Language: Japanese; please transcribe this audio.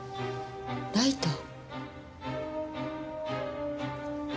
ライター？